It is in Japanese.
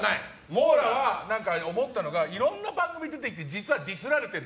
モーラーは、思ったのがいろんな番組に出てきて実はディスられてる。